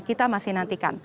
kita masih nantikan